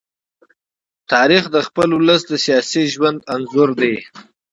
تاریخ د خپل ولس د سیاسي ژوند انځور دی.